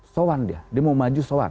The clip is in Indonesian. soan dia dia mau maju soan